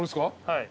はい。